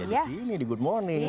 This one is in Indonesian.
ya disini di good morning